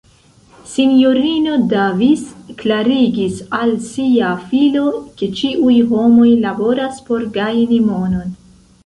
S-ino Davis klarigis al sia filo, ke ĉiuj homoj laboras por gajni monon.